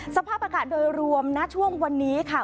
สภาพอากาศโดยรวมนะช่วงวันนี้ค่ะ